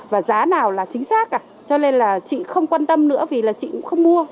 và giá nào là chính xác cả cho nên là chị không quan tâm nữa vì là chị cũng không mua